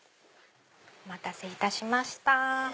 お待たせいたしました。